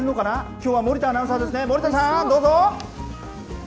きょうは森田アナウンサーですね。